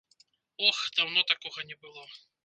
Ох, даўно такога не было!